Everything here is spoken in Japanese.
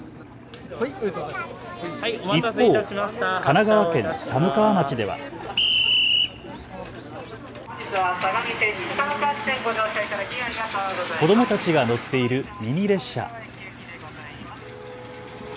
一方、神奈川県寒川町では。子どもたちが乗っているミニ列車。